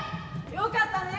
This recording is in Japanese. よかったね